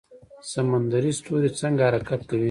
سمندري ستوری څنګه حرکت کوي؟